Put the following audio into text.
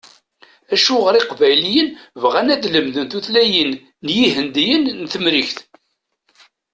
Acuɣer Iqbayliyen bɣan ad lemden tutlayin n yihendiyen n Temrikt?